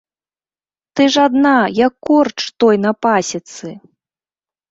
Ты ж адна, як корч той на пасецы!